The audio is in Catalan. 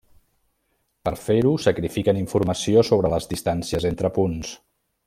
Per fer-ho, sacrifiquen informació sobre les distàncies entre punts.